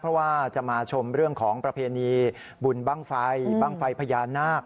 เพราะว่าจะมาชมเรื่องของประเพณีบุญบ้างไฟบ้างไฟพญานาค